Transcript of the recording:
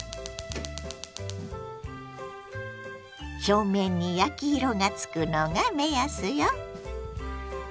表面に焼き色がつくのが目安よ。